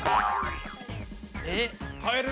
えっ。